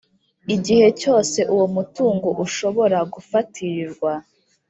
Igihe cyose uwo mutungo ushobora gufatirirwa